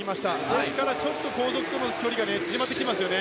ですからちょっと後続との距離が縮まってきてますよね。